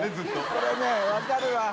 これね分かるわ。